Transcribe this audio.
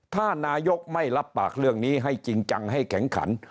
ถ้านายกไม่รับปากเรื่องนี้ให้จริงจังให้แข็งขัน